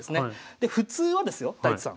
で普通はですよ太地さん